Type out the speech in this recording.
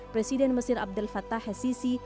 presiden mesir abdel fattah al sisi